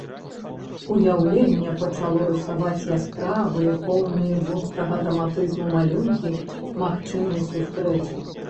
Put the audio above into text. Уяўленне пачало рысаваць яскравыя, поўныя вострага драматызму малюнкі магчымай сустрэчы.